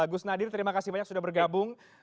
gus nadir terima kasih banyak sudah bergabung